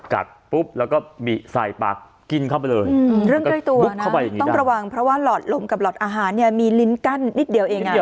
กัดปุ๊บแล้วก็บิใส่ปากกินเข้าไปเลยเรื่องใกล้ตัวปุ๊บเข้าไปต้องระวังเพราะว่าหลอดลมกับหลอดอาหารเนี่ยมีลิ้นกั้นนิดเดียวเองอ่ะ